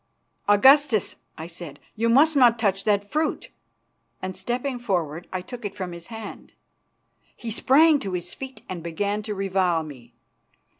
"Augustus," I said, "you must not touch that fruit," and stepping forward I took it from his hand. He sprang to his feet and began to revile me.